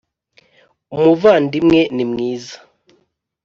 Umuvandimwe nimwiza.